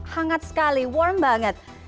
hangat sekali warm banget